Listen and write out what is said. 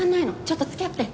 ちょっと付き合って！